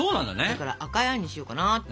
だから赤いあんにしようかなっていう。